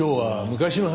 昔の話？